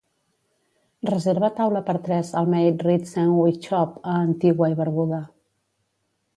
Reserva taula per tres al Maid-Rite Sandwich Shop a Antigua i Barbuda